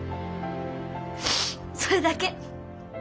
それだけ。